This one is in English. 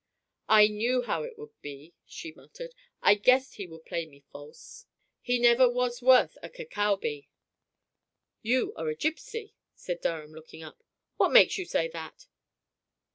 "I knew how it would be," she muttered. "I guessed he would play me false. He never was worth a kekaubi." "You are a gipsy," said Durham, looking up. "What makes you say that?"